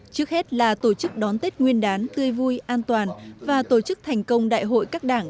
trước hết là tổ chức đón tết nguyên đán tươi vui an toàn và tổ chức thành công đại hội các đảng